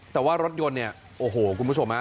แต่ว่ารถยนต์เนี่ยโอ้โหคุณผู้ชมฮะ